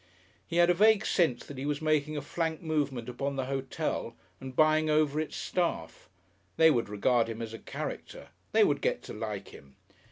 He had a vague sense that he was making a flank movement upon the hotel and buying over its staff. They would regard him as a character. They would get to like him.